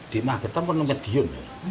di magetan di mediun